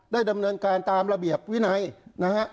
ดำเนินการตามระเบียบวินัยนะฮะ